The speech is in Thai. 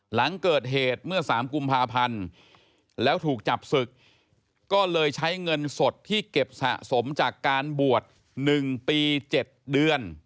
หลังเกิดเหตุเมื่อ๓กุมภาพันธ์แล้วถูกจับศึกก็เลยใช้เงินสดที่เก็บสะสมจากการบวช๑ปี๗เดือน